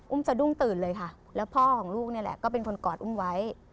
สะดุ้งตื่นเลยค่ะแล้วพ่อของลูกนี่แหละก็เป็นคนกอดอุ้มไว้